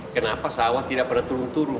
kenapa sawah tidak pernah turun turun